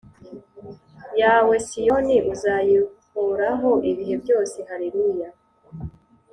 yawe Siyoni izayihoraho ibihe byose Haleluya